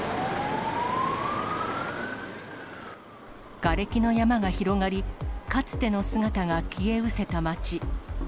がれきの山が広がり、かつての姿が消えうせた町。